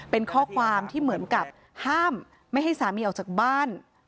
เป็นข้อความที่เหมือนกับห้ามไม่ให้สามีออกจากบ้าน